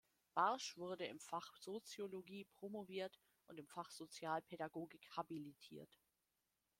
Barsch wurde im Fach Soziologie promoviert und im Fach Sozialpädagogik habilitiert.